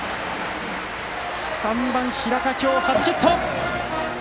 ３番の平田、今日初ヒット！